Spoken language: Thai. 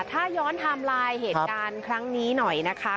ถ้าย้อนไทม์ไลน์เหตุการณ์ครั้งนี้หน่อยนะคะ